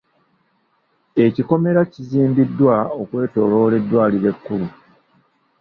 Ekikomera kizimbiddwa okwetooloola eddwaliro ekkulu.